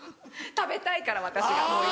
食べたいから私が。